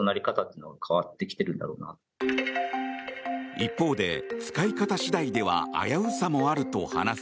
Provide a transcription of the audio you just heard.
一方で、使い方次第では危うさもあると話す。